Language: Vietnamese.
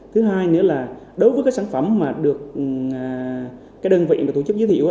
thứ hai nữa là đối với các sản phẩm mà được đơn vị tổ chức giới thiệu